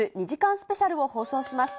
スペシャルを放送します。